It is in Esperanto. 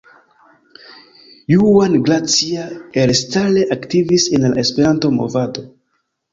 Juan Gracia elstare aktivis en la Esperanto movado.